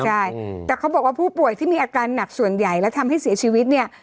ใช่แต่เขาบอกว่าผู้ป่วยที่มีอาการหนักส่วนใหญ่แล้วทำให้เสียชีวิตเนี่ย